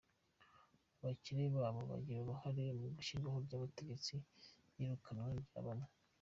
Abakire baba bagira uruhare mu ishyirwaho ry’abategetsi n’iyirukanwa rya bamwe.